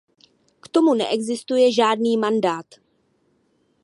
K tomu neexistuje žádný mandát.